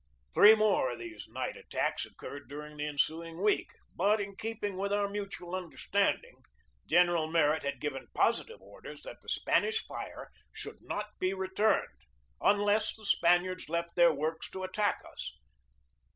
Three more of these night attacks oc curred during the ensuing week; but in keeping with our mutual understanding, General Merritt had given positive orders that the Spanish fire should not be returned unless the Spaniards left their works to attack us.